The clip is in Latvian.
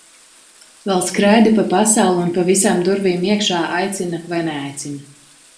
Vēl skraidi pa pasauli un pa visām durvīm iekšā, aicina vai neaicina.